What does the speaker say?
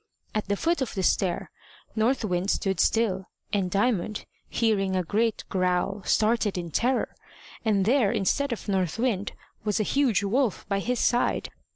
At the foot of the stair North Wind stood still, and Diamond, hearing a great growl, started in terror, and there, instead of North Wind, was a huge wolf by his side.